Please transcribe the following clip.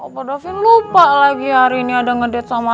pak davin lupa lagi hari ini ada ngedit sama